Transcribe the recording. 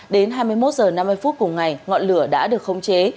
đến hai mươi một h năm mươi phút cùng ngày ngọn lửa đã được khống chế